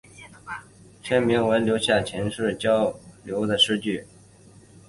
萨南学派南浦文之曾留下记述撇贯前来交流的诗句。